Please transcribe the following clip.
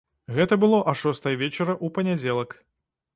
Гэта было а шостай вечара ў панядзелак.